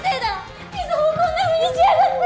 瑞穂をこんなふうにしやがって！